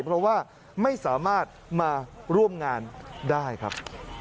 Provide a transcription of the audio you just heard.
เพราะว่าไม่สามารถมาร่วมงานได้ครับ